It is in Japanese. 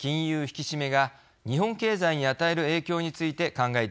引き締めが日本経済に与える影響について考えていきます。